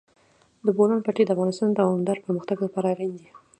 د بولان پټي د افغانستان د دوامداره پرمختګ لپاره اړین دي.